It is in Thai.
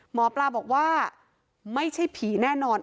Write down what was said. หมอปลาบอกว่าไม่ใช่ผีแน่นอน